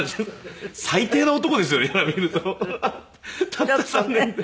たった３年で。